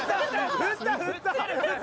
振った振った！